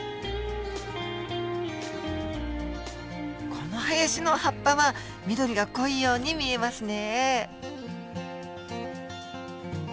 この林の葉っぱは緑が濃いように見えますね。